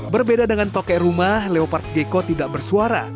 berbeda dengan toke rumah leopard gecko tidak bersuara